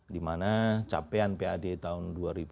dimana capaian pad tahun dua ribu dua puluh satu